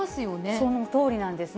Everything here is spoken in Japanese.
そのとおりなんですね。